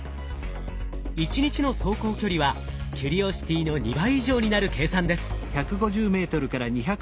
１日の走行距離はキュリオシティの２倍以上になる計算です。